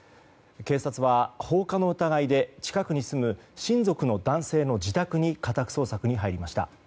警察は放火の疑いで近くに住む親族の男性の自宅に家宅捜索に入りました。